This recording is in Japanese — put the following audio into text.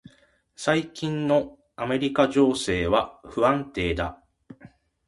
最近のアメリカの情勢は不安定だ。